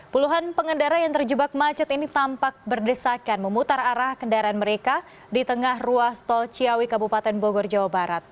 puluhan pengendara yang terjebak macet ini tampak berdesakan memutar arah kendaraan mereka di tengah ruas tol ciawi kabupaten bogor jawa barat